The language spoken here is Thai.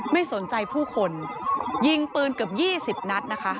ไม่สนใจผู้คนยิงปืนเกือบ๒๐นัดนะคะ